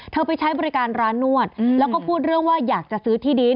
ไปใช้บริการร้านนวดแล้วก็พูดเรื่องว่าอยากจะซื้อที่ดิน